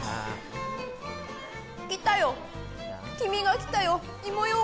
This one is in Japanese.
来たよ！